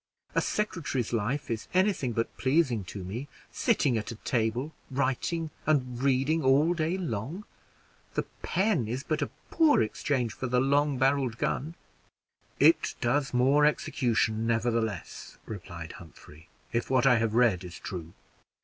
A secretary's life is any thing but pleasing to me, sitting at a table writing and reading all day long. The pen is a poor exchange for the long barreled gun." "It does more execution, nevertheless," replied Humphrey, "if what I have read is true.